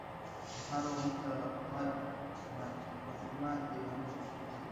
Mharo mbaya wa majimaji na wenye damu unaonuka ambao huchafua sehemu ya kitako